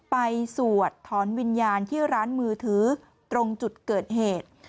สวดถอนวิญญาณที่ร้านมือถือตรงจุดเกิดเหตุ